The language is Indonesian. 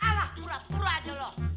alah pura pura aja lo